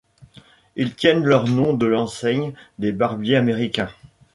Ils tiennent leur nom de l'enseigne des barbiers américains.